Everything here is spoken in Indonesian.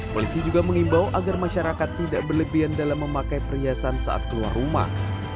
polisi juga mengimbau agar masyarakat tidak berlebihan dalam memakai perhiasan saat keluar rumah